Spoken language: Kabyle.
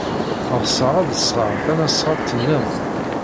Ɣseɣ ad d-sɣeɣ tasnasɣalt niḍen.